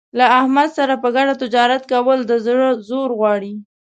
له احمد سره په ګډه تجارت کول د زړه زور غواړي.